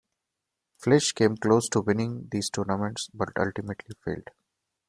Fleisch came close to winning these tournaments but ultimately failed.